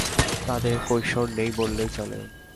তাদের কৈশোর নেই বললেই চলে।